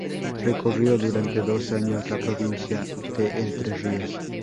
Recorrió durante dos años la provincia de Entre Ríos.